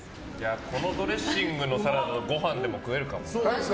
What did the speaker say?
このドレッシングのサラダでご飯も食えるかも。